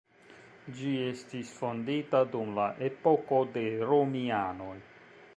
Ĝi estis fondita dum la epoko de romianoj.